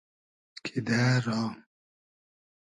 کیدۂ را